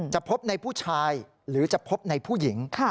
จะพบในผู้ชายหรือจะพบในผู้หญิง